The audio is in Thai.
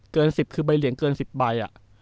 เกิน๑๐คือใบเหลียงเกิน๑๐ใบ